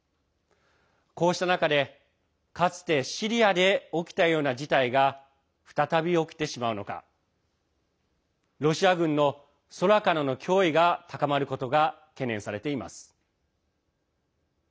こうした中で、かつてシリアで起きたような事態が再び起きてしまうのかロシア軍の、空からの脅威が高まることが懸念されています。